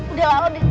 udah lah lo di